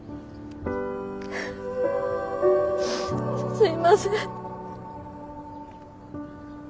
すいません。